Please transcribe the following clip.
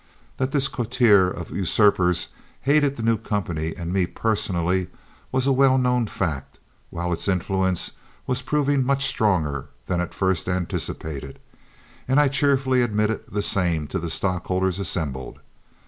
That this coterie of usurpers hated the new company and me personally was a well known fact, while its influence was proving much stronger than at first anticipated, and I cheerfully admitted the same to the stockholders assembled.